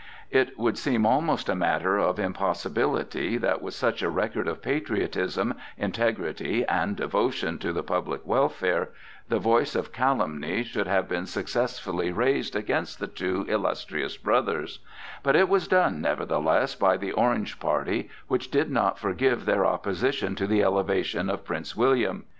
It would seem almost a matter of impossibility that with such a record of patriotism, integrity and devotion to the public welfare, the voice of calumny should have been successfully raised against the two illustrious brothers; but it was done nevertheless by the Orange party, which did not forgive their opposition to the elevation of Prince William.